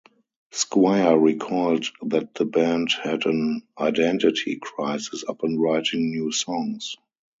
Squire recalled that the band had an "identity crisis" upon writing new songs.